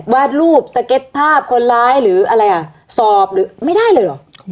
วาดรูปสเก็ตภาพคนร้ายหรืออะไรอ่ะสอบหรือไม่ได้เลยเหรอ